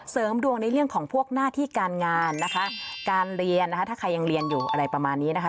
เสริมดวงในเรื่องของพวกหน้าที่การงานนะคะการเรียนนะคะถ้าใครยังเรียนอยู่อะไรประมาณนี้นะคะ